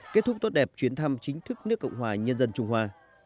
kết thúc tốt đẹp chuyến thăm chính thức nước cộng hòa nhân dân trung hoa